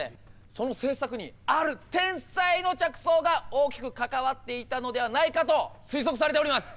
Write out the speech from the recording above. その制作にある天才の着想が大きく関わっていたのではないかと推測されております。